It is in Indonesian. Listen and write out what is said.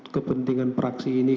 kepentingan praksi ini